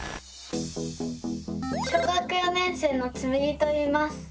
小学４年生のつむぎといいます。